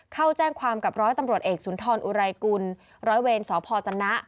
เข้าแจ้งความกับร้อยตำรวจเอกสุนทรอุไรกุลร้อยเวรสพจนะ